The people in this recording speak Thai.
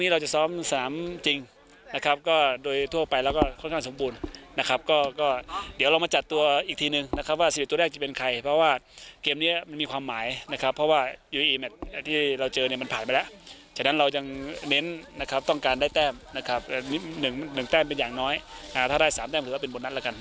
ถ้าได้๓แปลงคือว่าเป็นโบนัสแล้วกันนะครับ